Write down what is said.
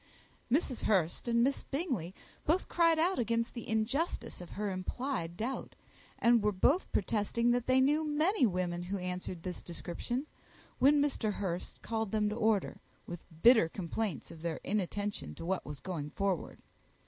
Mrs. Hurst and Miss Bingley both cried out against the injustice of her implied doubt, and were both protesting that they knew many women who answered this description, when Mr. Hurst called them to order, with bitter complaints of their inattention to what was going forward.